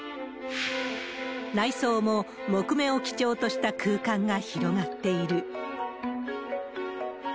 内装も木目を基調とした空間が広がっている。